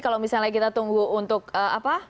kalau misalnya kita tunggu untuk apa